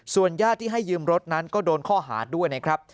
ญาติที่ให้ยืมรถนั้นก็โดนข้อหาด้วยนะครับ